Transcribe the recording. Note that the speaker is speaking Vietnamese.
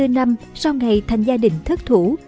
hai mươi bốn năm sau ngày thành gia đình thất thủ